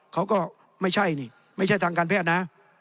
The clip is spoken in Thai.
เขาก็ไม่ใช่นี่ไม่ใช่ทางการแพทย์นะ